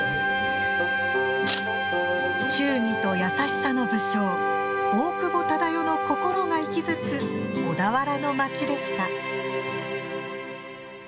忠義と優しさの武将、大久保忠世の心が息づく小田原のまちでした。